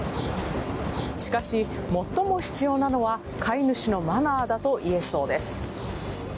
しかし最も必要なのは飼い主のマナーだといえそうです。